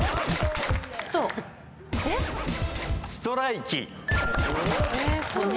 ストライキ。